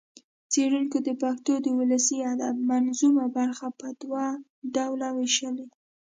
څېړنکو د پښتو د ولسي ادب منظومه برخه هم په دوه ډوله وېشلې